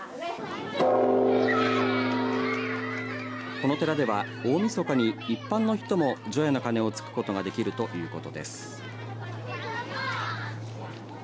この寺では、大みそかに一般の人も除夜の鐘をつくことができるということです。